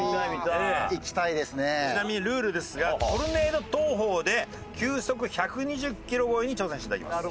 ちなみにルールですがトルネード投法で球速１２０キロ超えに挑戦して頂きます。